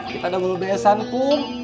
kita udah mau bebasan kum